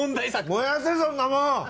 燃やせそんなもん！